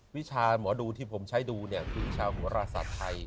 วิชาหมอดูที่ผมใช้ดูคือชาวหัวราศาสตร์ไทย